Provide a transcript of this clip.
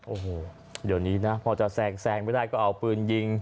โอ้โหเดี๋ยวนี้นะพอจะแซงไม่ได้ก็เอาปืนยิง